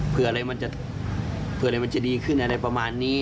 เพื่ออะไรมันจะเผื่ออะไรมันจะดีขึ้นอะไรประมาณนี้